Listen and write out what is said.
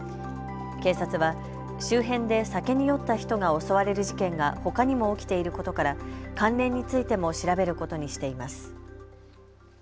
警察は周辺で酒に酔った人が襲われる事件がほかにも起きていることから関連についても調べることにしています。